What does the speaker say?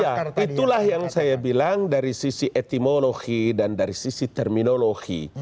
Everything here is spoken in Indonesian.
ya itulah yang saya bilang dari sisi etimologi dan dari sisi terminologi